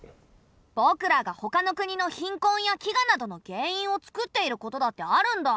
ぼくらがほかの国の貧困や飢餓などの原因を作っていることだってあるんだ。